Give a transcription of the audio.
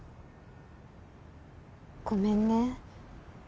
ごめんね。